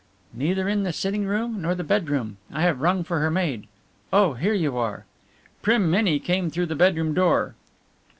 "Neither in the sitting room nor the bedroom. I have rung for her maid. Oh, here you are." Prim Minnie came through the bedroom door.